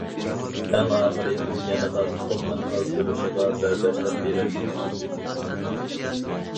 ئەڭ ئاخىرى، ئۇ يەنىلا تۇخۇمنىڭ ئازدۇرۇشىغا بەرداشلىق بېرەلمىگەن.